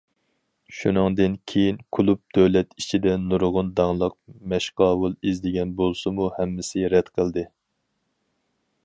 شۇنىڭدىن كېيىن كۇلۇب دۆلەت ئىچىدىن نۇرغۇن داڭلىق مەشقاۋۇل ئىزدىگەن بولسىمۇ ھەممىسى رەت قىلدى.